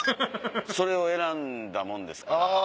それを選んだもんですから。